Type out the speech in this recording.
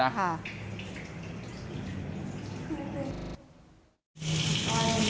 มันนี่มันนี่เอากุญแจมาล้อมมันนี่อ่ะ